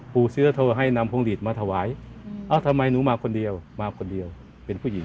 ซื้อโทรให้นำพวงหลีดมาถวายเอ้าทำไมหนูมาคนเดียวมาคนเดียวเป็นผู้หญิง